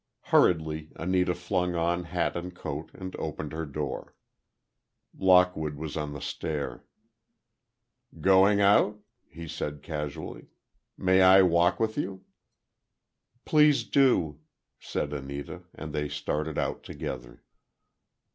Hurriedly Anita flung on hat and coat, and opened her door. Lockwood was on the stair. "Going out?" he said, casually, "may I walk with you?" "Please do," said Anita, and they started out together.